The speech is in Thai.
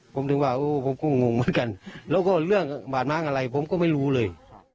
ผมถึงว่าผมก็งงเหมือนกันแล้วก็เรื่องบาดม้างอะไรผมก็ไม่รู้เลย